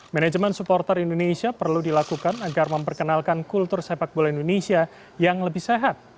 manajemen supporter indonesia perlu dilakukan agar memperkenalkan kultur sepak bola indonesia yang lebih sehat